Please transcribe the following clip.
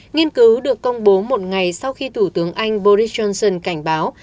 nghiên cứu được công bố một ngày sau khi thủ tướng anh boris johnson cảnh báo